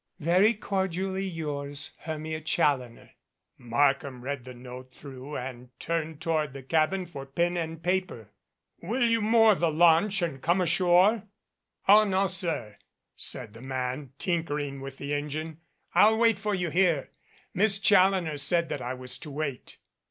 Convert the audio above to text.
Very cordially yours, HERMIA CHALLONER. Markham read the note through and turned toward the cabin for pen and paper. 62 "WAKE ROBIN" "Will you moor the launch and come ashore?" "Oh, no, sir," said the man, tinkering with the engine, "I'll wait for you here. Miss Challoner said that I was to wait."